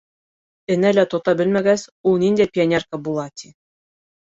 Энә лә тота белмәгәс, ул ниндәй пионерка була, ти?